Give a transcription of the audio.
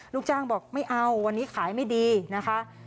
ลูกจ้างบอกไม่เอาวันนี้ขายไม่ดีนะคะ